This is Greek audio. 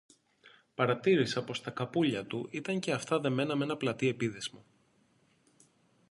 Παρατήρησα πως τα καπούλια του ήταν και αυτά δεμένα με πλατύ επίδεσμο.